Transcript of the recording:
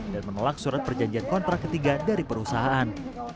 dan menolak surat perjanjian kontrak ketiga dari perusahaan